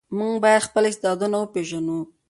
موږ باید خپل استعدادونه وپېژنو.